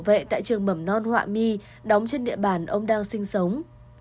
bảo vệ tại trường mẩm non họa my đóng trên địa bàn ông đang sinh sống